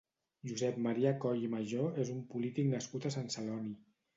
Josep Maria Coll i Majó és un polític nascut a Sant Celoni.